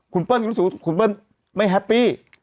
คุณเปิ้ลก็รู้สึกว่าคุณเปิ้ลไม่แฮปปี้